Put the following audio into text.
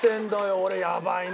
俺やばいな。